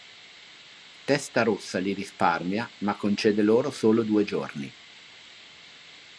Testarossa li risparmia, ma concede loro solo due giorni.